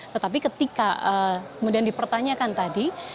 tetapi ketika kemudian dipertanyakan tadi